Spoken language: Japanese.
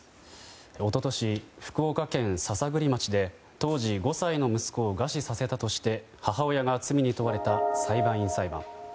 一昨年、福岡県篠栗町で当時５歳の息子を餓死させたとして母親が罪に問われた裁判員裁判。